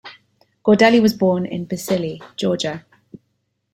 Gordeli was born in Tbilisi, Georgia.